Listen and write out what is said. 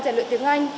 để luyện tiếng anh